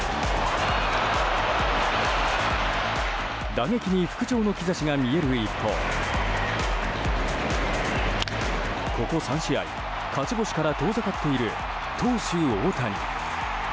打撃に復調の兆しが見える一方ここ３試合、勝ち星から遠ざかっている投手・大谷。